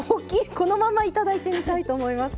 このまま頂いてみたいと思います。